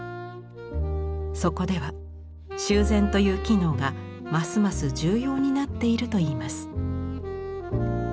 そこでは修繕という機能がますます重要になっているといいます。